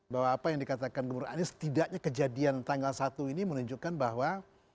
bahwa apa yang dikatakan gubernur anies setidaknya kejadian tanggal satu ini menunjukkan bahwa